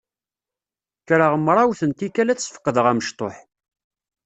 Kkreɣ mrawet n tikkal ad sfeqdeɣ amecṭuḥ.